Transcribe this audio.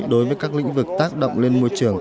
đối với các lĩnh vực tác động lên môi trường